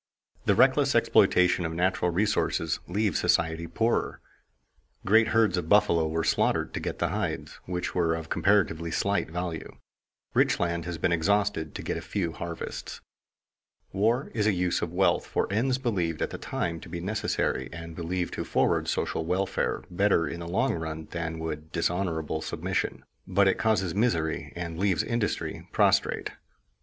The reckless exploitation of natural resources leaves society poorer. Great herds of buffalo were slaughtered to get the hides, which were of comparatively slight value. Rich land has been exhausted to get a few harvests. War is a use of wealth for ends believed at the time to be necessary and believed to forward social welfare better in the long run than would dishonorable submission; but it causes misery and leaves industry prostrate.